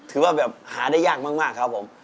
ถือว่าหาได้ยากมากครับครับ